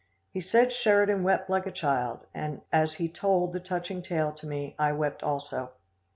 He said Sheridan wept like a child, and as he told the touching tale to me I wept also.